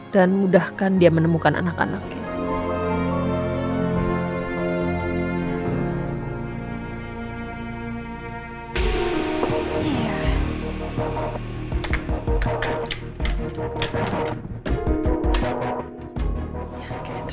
dan mudahkan dia menemukan anak anaknya